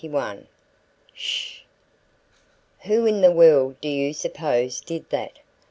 "SH!" "Who in the world do you suppose did that?"